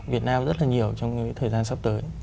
việt nam rất là nhiều trong thời gian sắp tới